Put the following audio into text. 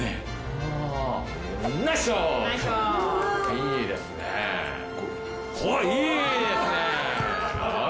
いいですねはい！